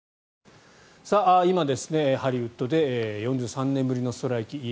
今、ハリウッドで４３年ぶりのストライキ。